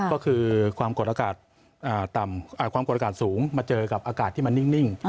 ก็คือความกดอากาศสูงมาเจอกับอากาศที่มันนิ่ง